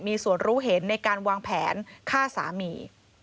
มีส่วนรู้เห็นในการวางแผนฆ่าสามี